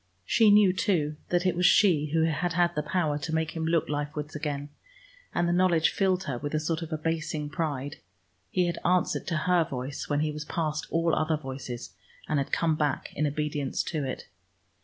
She knew, too, that it was she who had had the power to make him look life wards again, and the knowledge filled her with a sort of abasing pride. He had answered to her voice when he was past all other voices, and had come back in obedience to it.